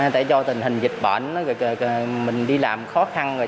tại do tình hình dịch bệnh mình đi làm khó khăn rồi